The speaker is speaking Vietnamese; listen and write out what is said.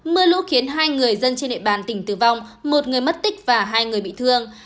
mưa lũ khiến hai người dân trên địa bàn tỉnh tử vong một người mất tích và hai người bị thương